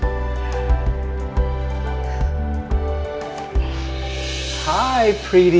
babe kamu ngapain di sini